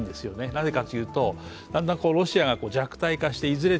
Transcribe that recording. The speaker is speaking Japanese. なぜかというと、だんだんロシアが弱体化していずれ